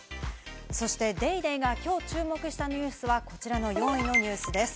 そして『ＤａｙＤａｙ．』が今日注目したニュースはこちらの４位のニュースです。